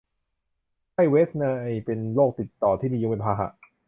ไข้เวสต์ไนล์เป็นโรคติดต่อที่มียุงเป็นพาหะ